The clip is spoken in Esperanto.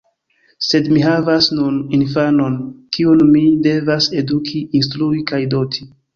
Sed mi havas nun infanon, kiun mi devas eduki, instrui kaj doti.